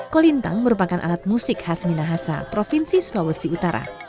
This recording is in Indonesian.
kolintang merupakan alat musik khas minahasa provinsi sulawesi utara